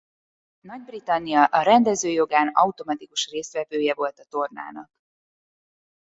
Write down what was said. Nagy-Britannia a rendező jogán automatikus résztvevője volt a tornának.